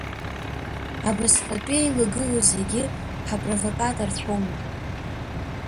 Абасҟатәи еилагылоу зегьы ҳапровокаторцәоума?